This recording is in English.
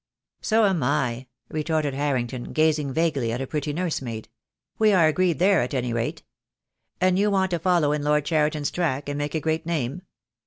"So am I," retorted Harrington, gazing vaguely at a pretty nursemaid. "We are agreed there at any rate. And you want to follow in Lord Cheriton's track, and make a great name?"